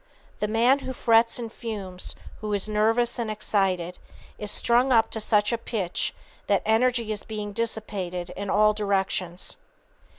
The man who frets and fumes, who is nervous and excited, is strung up to such a pitch that energy is being dissipated in all directions."